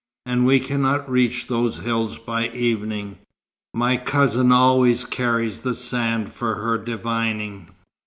And we cannot reach those hills by evening." "My cousin always carries the sand for her divining.